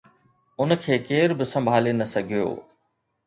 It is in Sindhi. ان کي ڪير به سنڀالي نه سگهيو